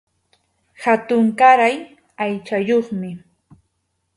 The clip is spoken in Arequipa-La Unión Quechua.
Hatunkaray aychayuqmi.